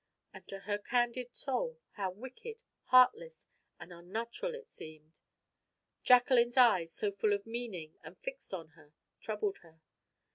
And to her candid soul how wicked, heartless, and unnatural it seemed! Jacqueline's eyes, so full of meaning and fixed on her, troubled her.